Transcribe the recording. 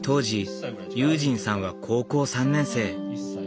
時悠仁さんは高校３年生。